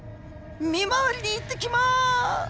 見回りに行ってきま。